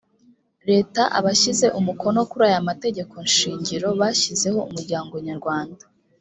leta abashyize umukono kuri aya mategekoshingiro bashyizeho umuryango nyarwanda